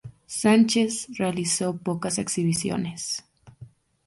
Sánchez realizó pocas exhibiciones.